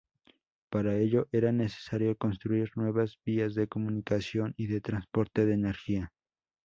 Para ello, era necesario construir nuevas vías de comunicación y de transporte de energía.